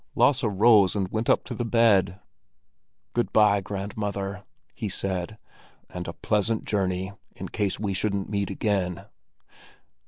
Lasse rose and went up to the bed. "Good bye, grandmother!" he said, "and a pleasant journey, in case we shouldn't meet again!"